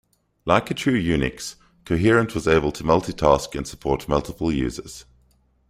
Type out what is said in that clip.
Like a true Unix, Coherent was able to multitask and support multiple users.